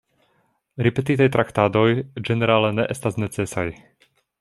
Ripetitaj traktadoj ĝenerale ne estas necesaj.